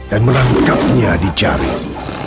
dan menangkapnya di jaring